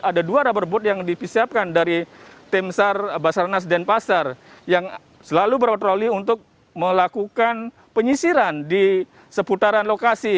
ada dua rubber boat yang disiapkan dari tim sar basarnas denpasar yang selalu berpatroli untuk melakukan penyisiran di seputaran lokasi